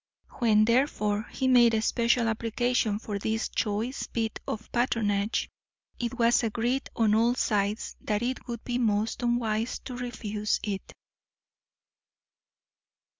When, therefore, he made a special application for this choice bit of patronage, it was agreed on all sides that it would be most unwise to refuse it.